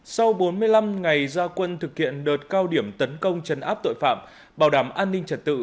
sau bốn mươi năm ngày gia quân thực hiện đợt cao điểm tấn công chấn áp tội phạm bảo đảm an ninh trật tự